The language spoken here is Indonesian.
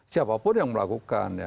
siapapun yang melakukan